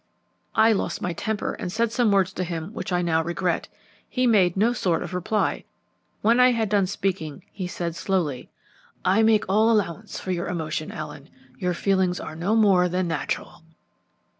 "I lost my temper and said some words to him which I now regret. He made no sort of reply. When I had done speaking he said slowly, "'I make all allowance for your emotion, Allen; your feelings are no more than natural.'